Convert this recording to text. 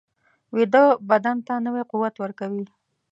ویده بدن ته نوی قوت ورکوي